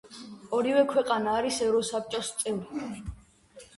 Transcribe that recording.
ორივე ქვეყანა არის ევროსაბჭოს წევრი.